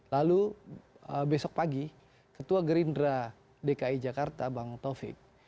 lalu besok pagi ketua gerindra dki jakarta bang taufik